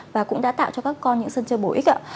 và cũng đã tạo cho các con những sân chơi bổ ích ạ